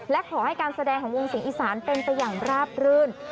และขอให้การแสดงของวงศรีอีสานเป็นไปอย่างราบรื่น